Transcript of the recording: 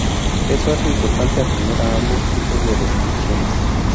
Eso hace importante atender a ambos tipos de descripciones.